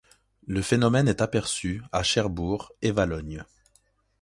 Le phénomène est aperçu à Cherbourg et Valognes.